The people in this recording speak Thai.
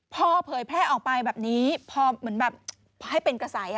พอเผยแพร่ออกไปแบบนี้พอเหมือนแบบให้เป็นกระแส